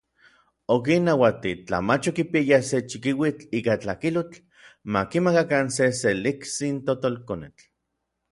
Okinnauati, tla mach okipiayaj se chikiuitl ika tlakilotl, makimakakan se seliktsin totolkonetl.